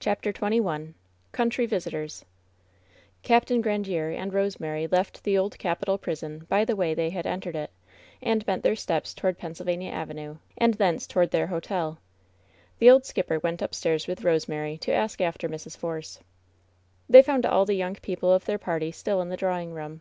CHAPTER XXI COUNTBY VISITORS Capt. Gkandierb and Rosemary left the Old Capitol prison by the way they had entered it, and bent their steps toward Pennsylvania Avenue, and thence toward their hotel. WHEN SHADOWS DIE 1«J The old skipper went upstairs with Rosemary, to ask after Mrs. Force. They found all the young people of their party still in the drawing room.